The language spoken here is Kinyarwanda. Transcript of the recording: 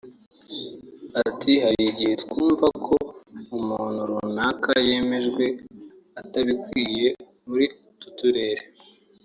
Ati “Hari igihe twumva ko umuntu runaka yemejwe atabikwiye muri utu turere